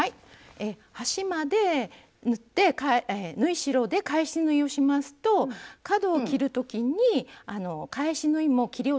端まで縫って縫い代で返し縫いをしますと角を切る時に返し縫いも切り落とす可能性があるんですね。